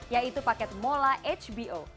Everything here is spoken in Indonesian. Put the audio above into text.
yaitu paket mola hbo